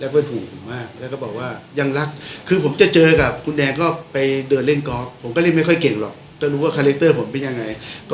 เพื่อนห่วงห่วงมาก